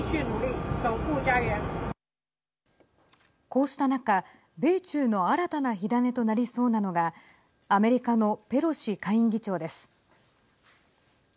こうした中米中の新たな火種となりそうなのがアメリカのペロシ下院議長です。